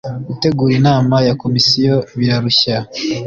Gutegura inama ya komisiyo birarushya